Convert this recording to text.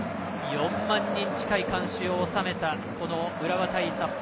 ４万人近い観衆を収めた浦和対札幌。